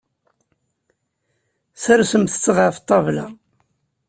Sersemt-tt ɣef ṭṭabla.